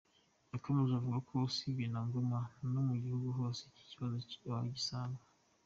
Yakomeje avuga ko usibye na Ngoma no mu gihugu hose iki kibazo wagisanga.